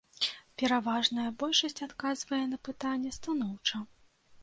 Пераважная большасць адказвае на пытанне станоўча.